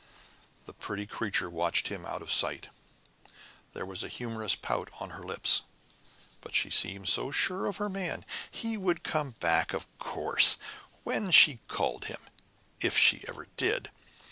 The pretty creature watched him out of sight. There was a humorous pout on her lips. But she seemed so sure of her man! He would come back, of course when she called him if she ever did!